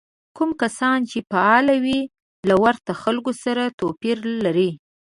کوم کس چې فعال وي له ورته خلکو سره توپير لري.